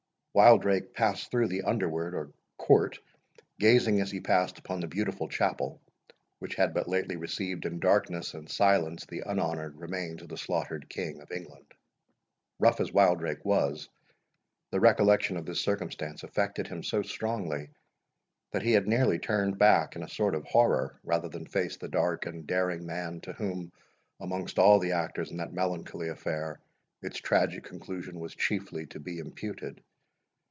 Wildrake passed through the underward or court, gazing as he passed upon the beautiful Chapel, which had but lately received, in darkness and silence, the unhonoured remains of the slaughtered King of England. Rough as Wildrake was, the recollection of this circumstance affected him so strongly, that he had nearly turned back in a sort of horror, rather than face the dark and daring man, to whom, amongst all the actors in that melancholy affair, its tragic conclusion was chiefly to be imputed.